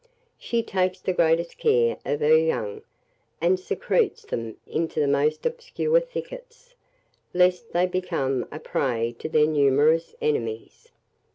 She takes the greatest care of her young, and secretes them in the most obscure thickets, lest they become a prey to their numerous enemies.